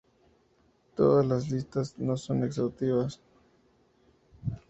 Todas las listas son no exhaustivas.